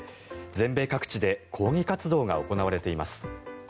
全米各地で抗議活動が行われています。